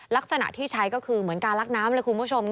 ลักษณะที่ใช้ก็คือเหมือนการลักน้ำเลยคุณผู้ชม